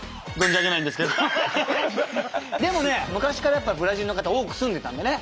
でもね昔からやっぱブラジルの方多く住んでたんでね